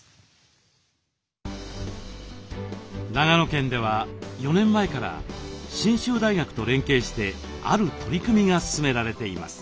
長野県では４年前から信州大学と連携してある取り組みが進められています。